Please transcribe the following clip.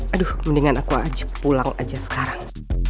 aduh mendingan aku aja pulang aja sekarang